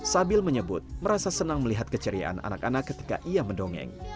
sabil menyebut merasa senang melihat keceriaan anak anak ketika ia mendongeng